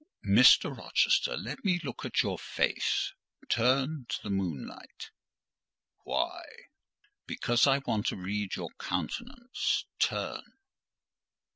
"Mr. Rochester, let me look at your face: turn to the moonlight." "Why?" "Because I want to read your countenance—turn!"